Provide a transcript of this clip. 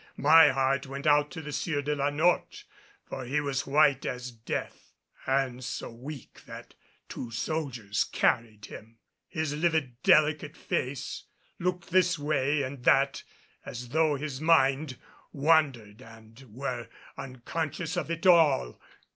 My heart went out to the Sieur de la Notte, for he was white as death and so weak that two soldiers carried him. His livid, delicate face looked this way and that as though his mind wandered and were unconscious of it all.